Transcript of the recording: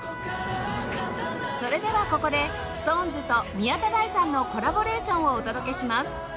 それではここで ＳｉｘＴＯＮＥＳ と宮田大さんのコラボレーションをお届けします